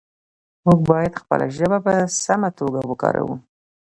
موږ باید خپله ژبه په سمه توګه وکاروو